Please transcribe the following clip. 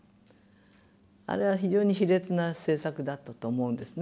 あれは非常に卑劣な政策だったと思うんですね。